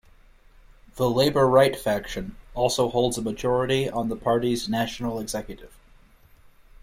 The Labor Right faction also holds a majority on the party's National Executive.